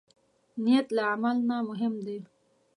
نیت له عمل نه مهم دی.